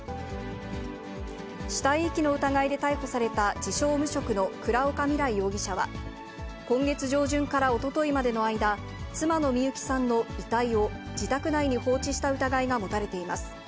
死体遺棄の疑いで逮捕された、自称無職の倉岡未来容疑者は、今月上旬からおとといまでの間、妻の美友紀さんの遺体を自宅内に放置した疑いが持たれています。